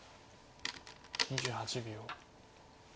２８秒。